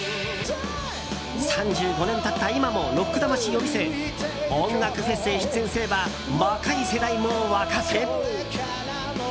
３５年経った今もロック魂を見せ音楽フェスへ出演すれば若い世代も沸かせ。